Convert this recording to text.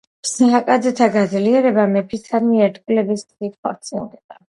სააკაძეთა გაძლიერება მეფისადმი ერთგულების გზით ხორციელდება.